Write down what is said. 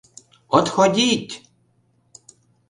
Отходить!